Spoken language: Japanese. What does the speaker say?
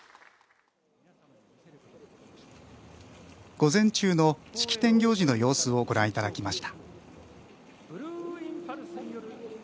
午前中の式典行事の様子をご覧いただきました。